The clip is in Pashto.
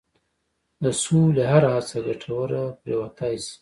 د سولې هره هڅه ګټوره پرېوتای شي.